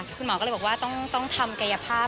คุณหมอก็เลยบอกว่าต้องทำกายภาพ